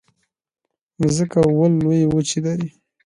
مځکه اوه لویې وچې لري.